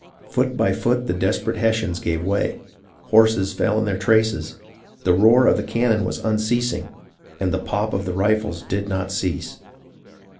Foot by foot the desperate Hessians gave way. Horses fell in their traces, the roar of the cannon was unceasing, and the pop of the rifles did not cease.